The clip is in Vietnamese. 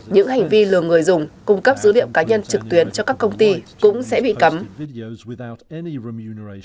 những hành vi lừa người dùng cung cấp dữ liệu cá nhân trực tuyến cho các công ty cũng sẽ bị cấm